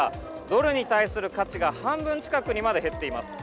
ドルに対する価値が半分近くにまで減っています。